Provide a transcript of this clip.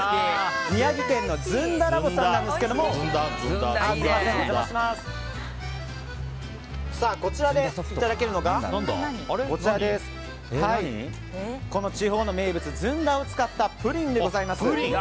宮城名物のずんだらぼですがこちらでいただけるのが地方の名物ずんだを使ったプリンになります。